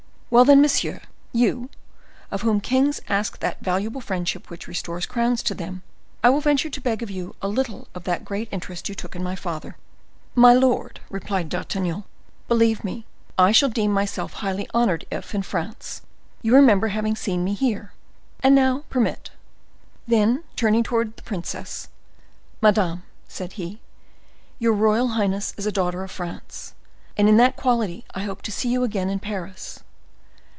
"Well, then, monsieur, you, of whom kings ask that valuable friendship which restores crowns to them, I will venture to beg of you a little of that great interest you took in my father." "My lord," replied D'Artagnan, "believe me, I shall deem myself highly honored if, in France, you remember having seen me here. And now permit—" Then, turning towards the princess: "Madam," said he, "your royal highness is a daughter of France; and in that quality I hope to see you again in Paris.